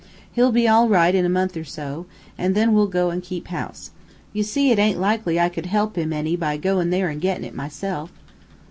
He'll be all right in a month or so, an' then we'll go an' keep house. You see it aint likely I could help him any by goin' there an' gettin' it myself."